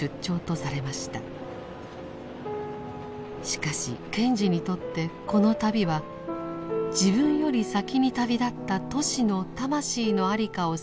しかし賢治にとってこの旅は自分より先に旅立ったトシの魂の在りかを探す意味が込められていました。